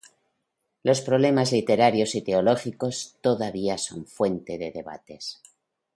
Los problemas literarios y teológicos todavía son fuente de debates.